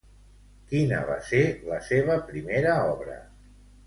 Quina va ser la seva primera obra?